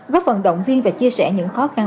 góp phần động viên và chia sẻ những khó khăn